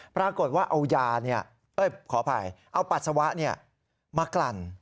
ปรากฏว่าเอายาขออภัยเอาปัสสาวะมากลั่น